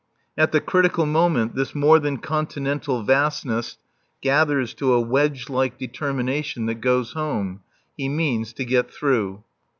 At the critical moment this more than continental vastness gathers to a wedge like determination that goes home. He means to get through.